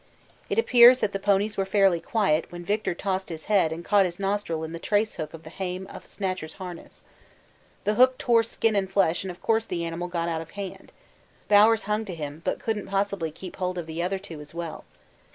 It appears that the ponies were fairly quiet when Victor tossed his head and caught his nostril in the trace hook on the hame of Snatcher's harness. The hook tore skin and flesh and of course the animal got out of hand. Bowers hung to him, but couldn't possibly keep hold of the other two as well.